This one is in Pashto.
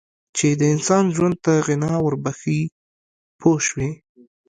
چې د انسان ژوند ته غنا ور بخښي پوه شوې!.